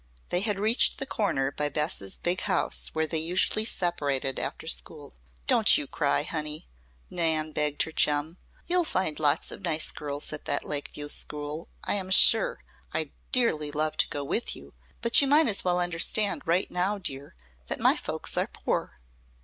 They had reached the corner by Bess's big house where they usually separated after school. "Don't you cry, honey!" Nan begged her chum. "You'll find lots of nice girls at that Lakeview school, I am sure. I'd dearly love to go with you, but you might as well understand right now, dear, that my folks are poor."